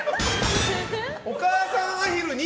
お母さんアヒルに。